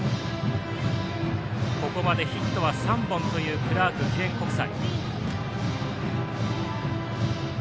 ここまでヒットは３本というクラーク記念国際。